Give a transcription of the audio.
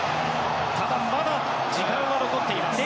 ただまだ時間は残っています。